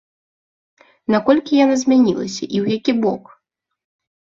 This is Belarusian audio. Наколькі яна змянілася, і ў які бок?